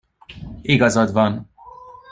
Igazad van.